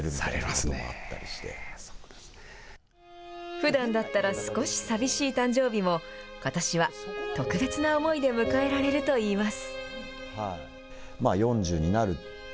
ふだんだったら少し寂しい誕生日も、ことしは特別な思いで迎えられるといいます。